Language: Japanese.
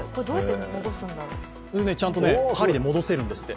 ちゃんと針で戻せるんですって。